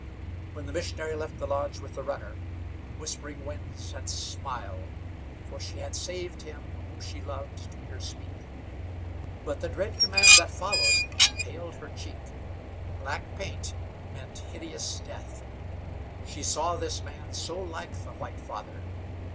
When the missionary left the lodge with the runner, Whispering Winds had smiled, for she had saved him whom she loved to hear speak; but the dread command that followed paled her cheek. Black paint meant hideous death. She saw this man so like the white father.